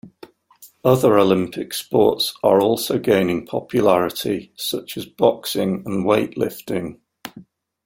Other Olympic sports are also gaining popularity, such as boxing and weightlifting.